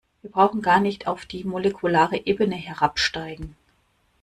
Wir brauchen gar nicht auf die molekulare Ebene herabsteigen.